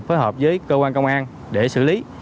phối hợp với cơ quan công an để xử lý